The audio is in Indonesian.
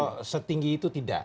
kalau setinggi itu tidak